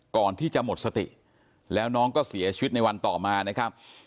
ก่อนที่จะหมดสติแล้วน้องก็เสียชีวิตในวันต่อมานะครับ